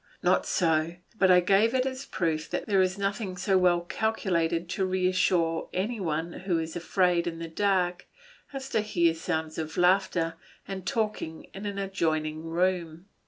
Not so, but I give it as a proof that there is nothing so well calculated to reassure any one who is afraid in the dark as to hear sounds of laughter and talking in an adjoining room.